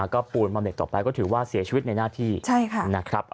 ก็ปูนบำเน็ตต่อไปก็ถือว่าเสียชีวิตในหน้าที่นะครับ